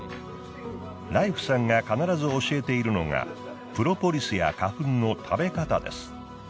ライフさんが必ず教えているのがプロポリスや花粉の食べ方です。